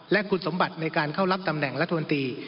และคุณสมบัติในการเข้ารับตำแหน่งรัฐมนตรี